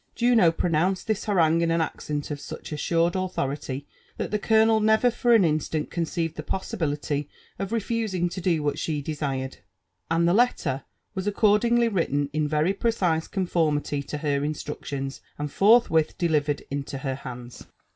'* Juno pronounced this harangue in an accent of such assured autho rity, that the colonel nev^r for an instant conceived the possibility of refusing to do what she desired ; and the letter was accordingly written in very precise conformity to her instructions, and forthwith delivored into her hands.